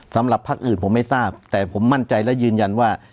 สำหรับพักอื่นผมไม่ทราบแต่ผมมั่นใจและยืนยันว่า